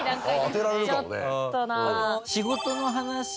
当てられるかもね。